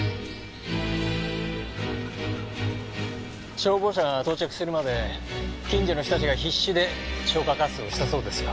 消防車が到着するまで近所の人たちが必死で消火活動をしたそうですよ。